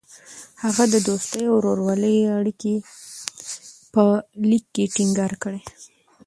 هغه د دوستۍ او ورورولۍ اړیکې په لیک کې ټینګار کړې.